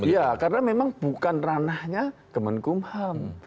iya karena memang bukan ranahnya kemen kumham